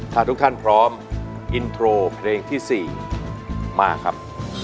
ถ้าทุกท่านพร้อมอินโทรเพลงที่๔มาครับ